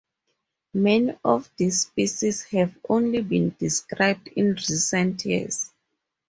Many of these species have only been described in recent years.